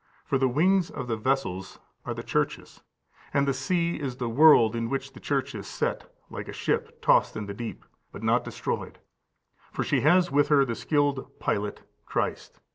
For the wings of the vessels are the churches; and the sea is the world, in which the Church is set, like a ship tossed in the deep, but not destroyed; for she has with her the skilled Pilot, Christ.